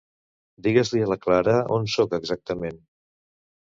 Digues-li a la Clara on soc exactament.